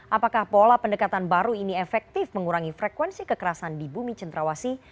apakah pola pendekatan baru ini efektif mengurangi frekuensi kekerasan di bumi centrawasi